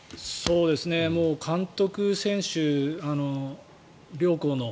もう監督、選手、両校の。